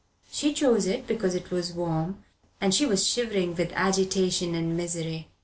She chose it because it was warm, and she was shivering with agitation and misery.